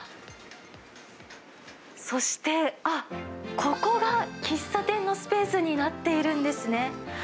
そして、ここが喫茶店のスペースになっているんですね。